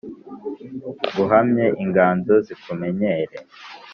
nguhamye inganzo zikumenyere,